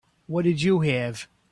What did you have?